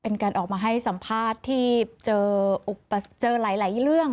เป็นการออกมาให้สัมภาษณ์ที่เจอหลายเรื่อง